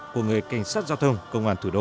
của người cảnh sát giao thông công an thủ đô